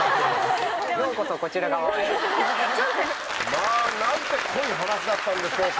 まぁ何て濃い話だったんでしょうか。